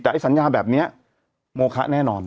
แต่ไอสัญญาแบบนี้โมคะแน่นอน